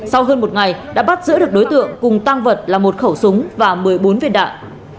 sau hơn một ngày đã bắt giữ được đối tượng cùng tăng vật là một khẩu súng và một mươi bốn viên đạn